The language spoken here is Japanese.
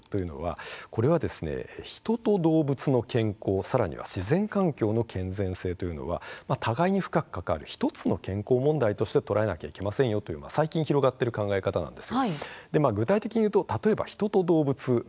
まずワンヘルスというのは人と人と動物の健康さらに自然環境の健全性というのは互いに深く関わる１つの健康問題だとらえなければいけませんよという最近広がっている考え方です。